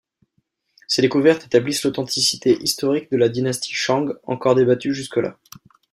Ces découvertes établissent l'authenticité historique de la Dynastie Shang encore débattue jusque là.